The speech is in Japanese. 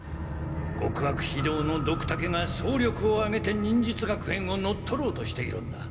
極悪非道のドクタケが総力をあげて忍術学園を乗っ取ろうとしているんだ。